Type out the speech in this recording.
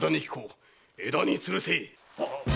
枝につるせ！